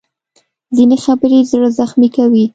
ځینې خبرې زړه زخمي کوي